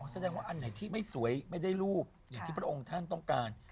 แสดงว่าอันไหนที่ไม่สวยไม่ได้รูปอย่างที่พระองค์ท่านต้องการ